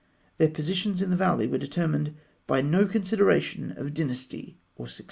Their positions in the valley were determined by no consideration of dynasty or succession.